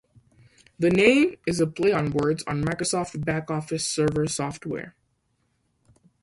The name is a play on words on Microsoft BackOffice Server software.